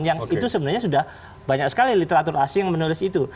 yang itu sebenarnya sudah banyak sekali literatur asing menulis itu